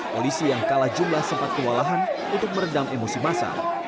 polisi yang kalah jumlah sempat kewalahan untuk meredam emosi masa